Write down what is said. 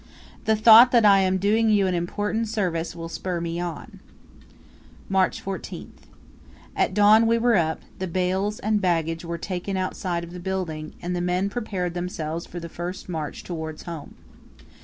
The thought that I am doing you an important service will spur me on." March 14th. At dawn we were up, the bales and baggage were taken outside of the building, and the men prepared themselves for the first march towards home.